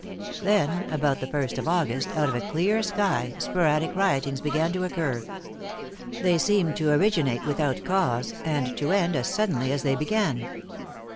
Then, about the first of August, out of a clear sky, sporadic riotings began to occur. They seemed to originate without cause, and to end as suddenly as they began.